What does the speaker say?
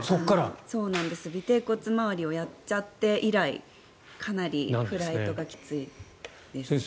尾てい骨周りをやっちゃって以来かなりフライトがきついです。